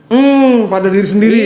hmm pada diri sendiri